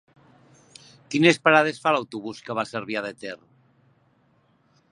Quines parades fa l'autobús que va a Cervià de Ter?